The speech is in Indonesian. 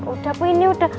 udah bu ini udah